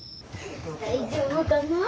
・大丈夫かなあ。